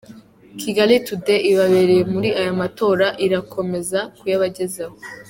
Kigali Today ibabereye muri aya matora irakomeza kuyabagezaho.